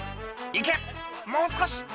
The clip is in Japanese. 「行けもう少し！